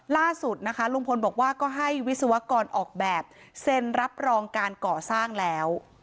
ล่าสุดนะคะลุงพลบอกว่าก็ให้วิศวกรออกแบบเซ็นรับรองการก่อสร้างแล้ว